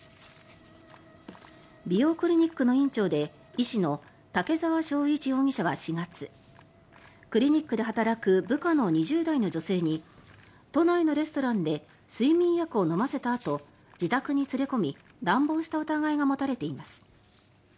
美容クリニックの院長で医師の竹澤章一容疑者は４月クリニックで働く部下の２０代の女性に都内のレストランで睡眠薬を飲ませたあと自宅に連れ込み乱暴した疑いが持たれています。